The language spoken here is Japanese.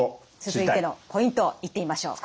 続いてのポイントいってみましょう。